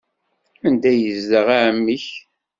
Anda ay yezdeɣ ɛemmi-k?